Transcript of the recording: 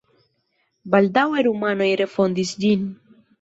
Baldaŭe rumanoj refondis ĝin.